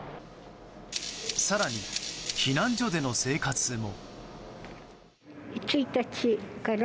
更に、避難所での生活も。